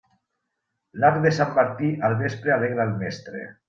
L'arc de Sant Martí al vespre alegra el mestre.